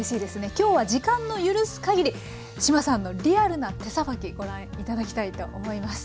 今日は時間の許すかぎり志麻さんのリアルな手さばきご覧頂きたいと思います。